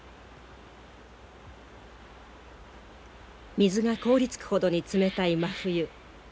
水が凍りつくほどに冷たい真冬。